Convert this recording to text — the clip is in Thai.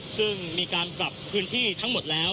ซึ่งมีการปรับพื้นที่ทั้งหมดแล้ว